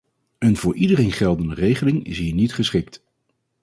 Een voor iedereen geldende regeling is hier niet geschikt.